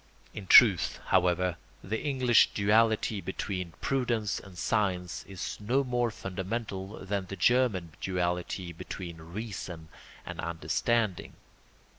In truth, however, the English duality between prudence and science is no more fundamental than the German duality between reason and understanding.